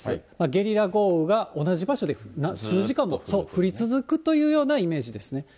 ゲリラ豪雨が同じ場所で数時間も降り続くというようなイメージですね。